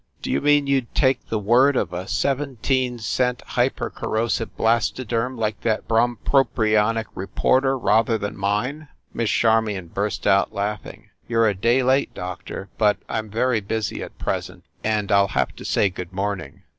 D you mean you d take the word of a seventeen cent hypercorrosive blastoderm like that brompropionic reporter rather than mine?" Miss Charmion burst out laughing. "You re a day late, Doctor. But I m very busy at present, and I ll have to say good morning